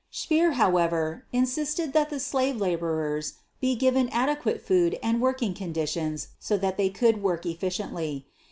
Speer, however, insisted that the slave laborers be given adequate food and working conditions so that they could work efficiently.